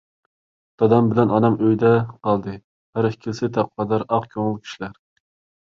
دادام بىلەن ئانام ئۆيدە قالدى، ھەر ئىككىلىسى تەقۋادار، ئاق كۆڭۈل كىشىلەر.